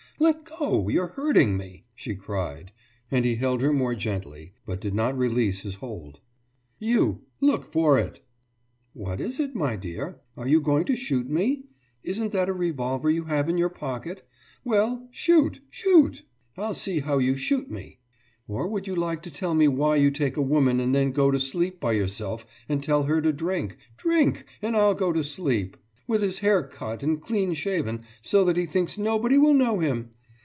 »Let go! You're hurting me!« she cried, and he held her more gently, but did not release his hold. »You look for it!« »What is it, my dear? Are you going to shoot me? Isn't that a revolver you have in your pocket? Well, shoot, shoot! I'll see how you shoot me! Or would you like to tell me why you take a woman and then go to sleep by yourself and tell her to drink 'Drink, and I'll go to sleep!' With his hair cut and clean shaven, so that he thinks nobody will know him!